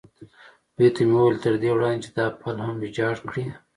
دوی ته مې وویل: تر دې وړاندې چې دا پل هم ویجاړ کړي.